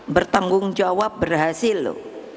bertanggung jawab berhasil loh